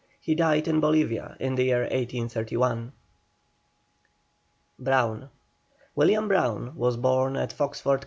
He died in Bolivia in the year 1831. BROWN. William Brown was born at Foxford, Co.